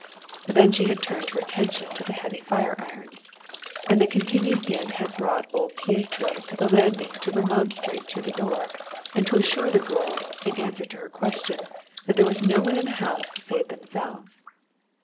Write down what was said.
Then she had turned her attention to the heavy fire irons, and the continued din had brought old Pieto to the landing to remonstrate through the door, and to assure the girl, in answer to her questions, that there was no one in the house save themselves.